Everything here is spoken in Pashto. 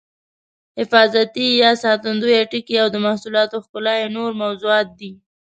حفاظتي یا ساتندویه ټکي او د محصولاتو ښکلا یې نور موضوعات دي.